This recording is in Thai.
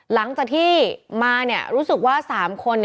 หลังจากที่มารู้สึกว่า๓คน